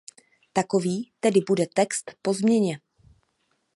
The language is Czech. Takový tedy bude text po změně.